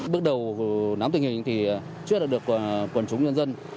bước đầu nắm tình hình thì trước đã được quần chúng nhân dân